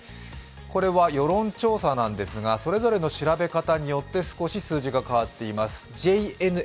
これは世論調査ですが、それぞれの調べ方によって少し、数字が違っています。